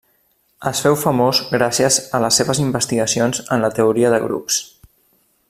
Es féu famós gràcies a les seves investigacions en teoria de grups.